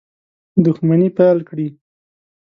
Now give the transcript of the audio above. دښمني پیل کړي.